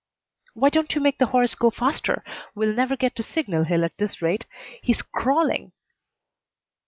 "Why don't you make the horse go faster? We'll never get to Signal Hill at this rate. He's crawling."